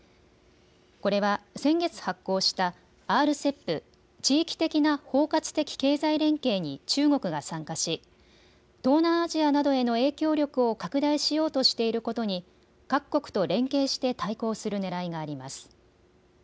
これは先月発効したＲＣＥＰ・地域的な包括的経済連携に中国が参加し東南アジアなどへの影響力を拡大しようとしていることに各国と連携して対抗するねらいがあります。